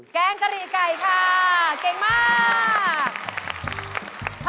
แกงกะหรี่ไก่ค่ะเก่งมาก